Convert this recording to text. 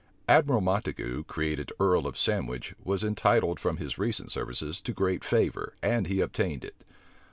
Admiral Montague, created earl of Sandwich, was entitled from his recent services to great favor; and he obtained it.